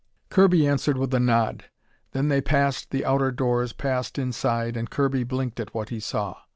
Kirby answered with a nod. Then they passed the outer doors, passed inside, and Kirby blinked at what he saw.